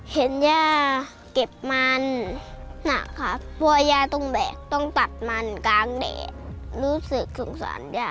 เห็นย่าเก็บมันหนักค่ะเพราะว่าย่าต้องแบกต้องตัดมันกลางแดดรู้สึกสงสารย่า